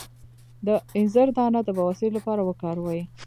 د انځر دانه د بواسیر لپاره وکاروئ